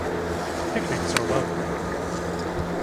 Picnics are welcome.